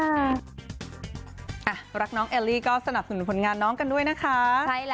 รักน้องแอลลี่ก็สนับสนุนผลงานน้องกันด้วยนะคะ